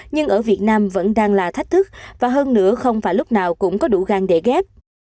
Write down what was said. nhưng ở việt nam vẫn đang là thách thức và hơn nữa không phải lúc nào cũng có đủ gang để ghép